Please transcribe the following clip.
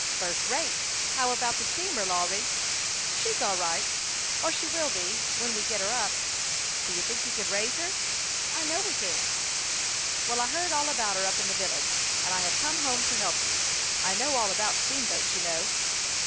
" First rate. How about the steamboat, Lawry ?"" She's all right ; or she will be, when we get her up." " Do you think you can raise her ?"" I know we can." " Well, I heard all about her up in the village, and I have come home to help you. I know all about steamboats, you know."